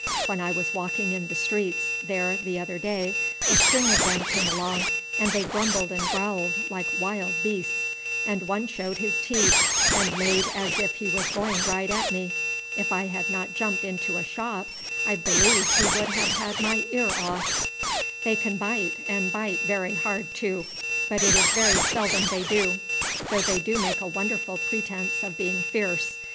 "When I was walking in the streets there the other day a string of them came along, and they grumbled and growled like wild beasts, and one showed his teeth and made as if he was going right at me. If I had not jumped into a shop I believe he would have had my ear off." "They can bite, and bite very hard too; but it is very seldom they do, though they do make a wonderful pretence of being fierce.